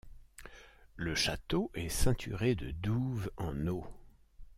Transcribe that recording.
Le château est ceinturé de douves en eau.